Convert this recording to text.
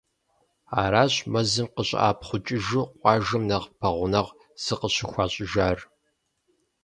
Аращ мэзым къыщӏэӏэпхъукӏыжу къуажэм нэхъ пэгъунэгъу зыкъыщӏыхуащӏыжар.